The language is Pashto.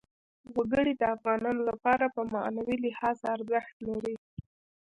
وګړي د افغانانو لپاره په معنوي لحاظ ارزښت لري.